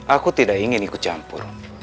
aku tidak ingin ikut campur